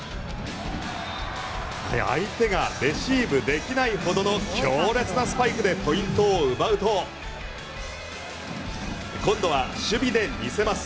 相手がレシーブできないほどの強烈なスパイクでポイントを奪うと今度は守備で見せます。